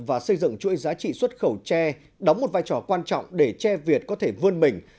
và xây dựng chuỗi giá trị xuất khẩu tre đóng một vai trò quan trọng để che việt có thể vươn mình